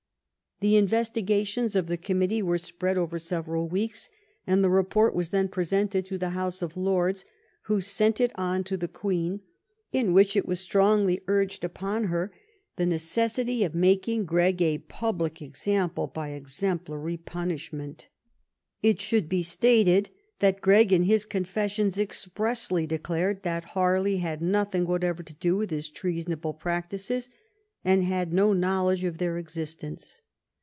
The investiga 312 "HARLET, THE NATION'S GREAT SUPPORT'* tions of the committee were spread over several weeks, and the report was then presented to the House of Lords, who sent it on to the Queen, in which was strongly urged upon her the necessity of making Gregg a pub lic example by exemplary punishment. It should be stated that Gregg, in his confessions, expressly de clared that Harley had nothing whatever to do with his treasonable practices and had no knowledge of their existence.